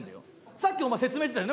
さっきお前説明してたよね